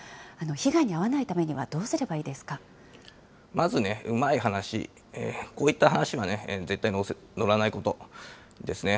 被害に遭わないためにはどうすれまずうまい話、こういった話は絶対に乗らないことですね。